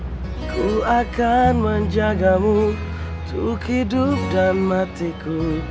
aku akan menjagamu untuk hidup dan matiku